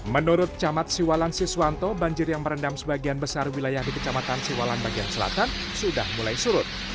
menurut camat siwalan siswanto banjir yang merendam sebagian besar wilayah di kecamatan siwalan bagian selatan sudah mulai surut